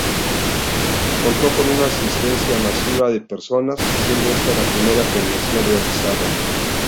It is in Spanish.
Contó con una asistencia masiva de personas, siendo esta la primera premiación realizada.